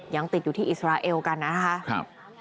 ยังติดอยู่ที่อิสราเอลกันนะครับ